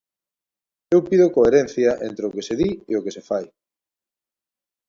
Eu pido coherencia entre o que se di e o que se fai.